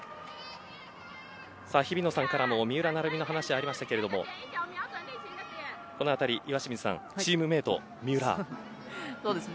日々野さんからも三浦の話がありましたがこのあたり岩清水さんチームメート三浦。